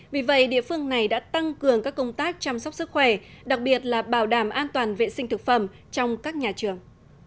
vì vậy địa phương này đã tăng cường các công tác chăm sóc sức khỏe đặc biệt là bảo đảm an toàn vệ sinh thực phẩm trong các nhà trường